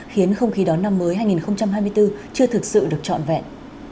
khiến không khí đón năm mới hai nghìn hai mươi bốn chưa thực sự được trọn vẹn